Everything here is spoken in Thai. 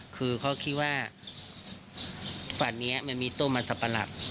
คือเขาคิดว่าฝั่งนี้มันมีต้นมันสัมปรับ